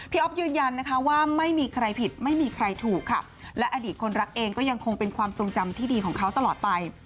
อ๊อฟยืนยันนะคะว่าไม่มีใครผิดไม่มีใครถูกค่ะและอดีตคนรักเองก็ยังคงเป็นความทรงจำที่ดีของเขาตลอดไป